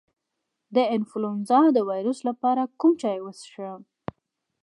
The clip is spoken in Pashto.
د انفلونزا د ویروس لپاره کوم چای وڅښم؟